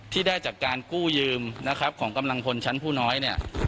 ที่ได้จากการกู้ยืมนะครับของกำลังพลชั้นผู้น้อยเนี่ย